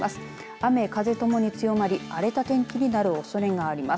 雨風ともに強まり荒れた天気になるおそれがあります。